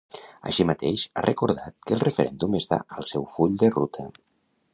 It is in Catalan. Així mateix, ha recordat que el referèndum està al seu full de ruta.